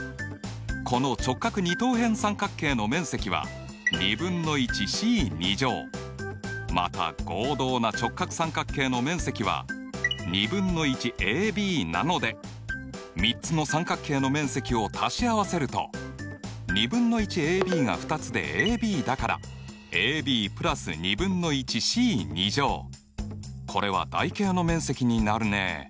この直角二等辺三角形の面積はまた合同な直角三角形の面積は３つの三角形の面積を足し合わせると２分の１ａｂが２つでａｂだからこれは台形の面積になるね。